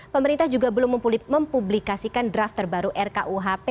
pemerintah juga belum mempublikasikan draft terbaru rkuhp